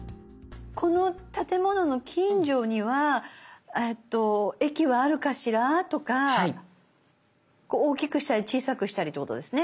「この建物の近所には駅はあるかしら？」とか大きくしたり小さくしたりってことですね。